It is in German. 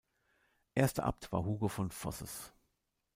Erster Abt war Hugo von Fosses.